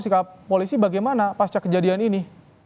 sikap polisi bagaimana pasca kejadian ini